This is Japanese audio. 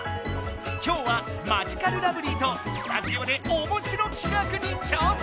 きょうはマヂカルラブリーとスタジオでおもしろきかくに挑戦！